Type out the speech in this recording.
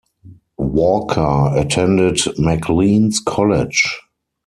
Walker attended Macleans College.